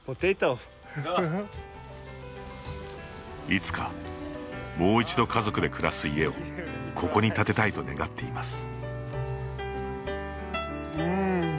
いつか、もう一度家族で暮らす家をここに建てたいと願っています。